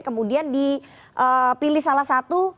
kemudian dipilih salah satu